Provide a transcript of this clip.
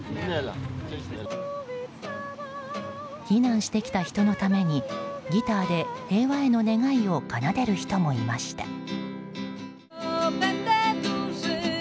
避難してきた人のためにギターで平和への願いを奏でる人もいました。